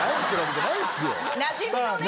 なじみのね。